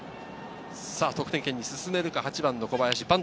得点圏に進めるか、８番・小林。